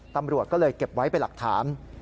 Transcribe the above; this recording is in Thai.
ตำรวจก็เลยเก็บไว้เป็นหลักฐาน